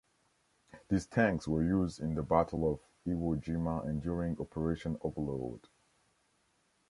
These tanks were used in the Battle of Iwo Jima and during Operation Overlord.